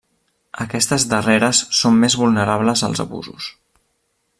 Aquestes darreres són més vulnerables als abusos.